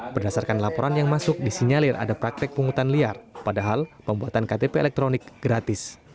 berdasarkan laporan yang masuk disinyalir ada praktek pungutan liar padahal pembuatan ktp elektronik gratis